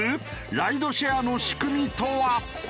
ライドシェアの仕組みとは？